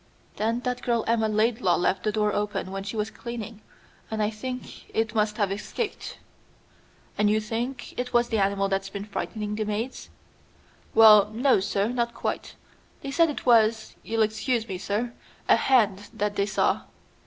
Then that girl Emma Laidlaw left the door open when she was cleaning, and I think it must have escaped." "And you think it was the animal that's been frightening the maids?" "Well, no, sir, not quite. They said it was you'll excuse me, sir a hand that they saw.